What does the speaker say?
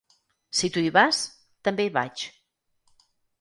Si tu hi vas, també hi vaig.